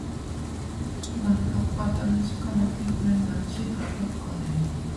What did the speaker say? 온 턱과 뺨을 시커멓게 구레나룻이 덮였거늘